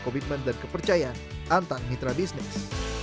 komitmen dan kepercayaan antar mitra bisnis